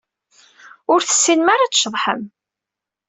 Ur tessinem ara ad tceḍḥem.